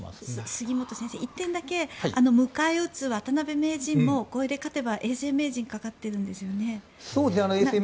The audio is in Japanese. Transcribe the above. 杉本先生、１点だけ迎え撃つ渡辺名人もこれで勝てば永世名人がかかってるんですよね。